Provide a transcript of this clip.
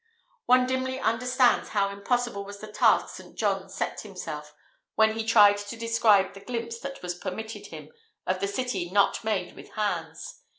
One dimly understands how impossible was the task St. John set himself when he tried to describe the glimpse that was permitted him of the City not made with hands.